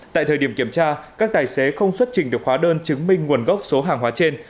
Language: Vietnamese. tại thời điểm kiểm tra các tài xế không xuất trình được hóa đơn chứng minh nguồn gốc số hàng hóa trên